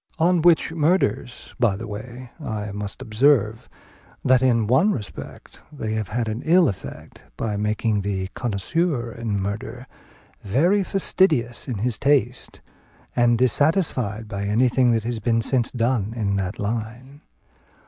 On which murders, by the way, I must observe, that in one respect they have had an ill effect, by making the connoisseur in murder very fastidious in his taste, and dissatisfied by anything that has been since done in that line.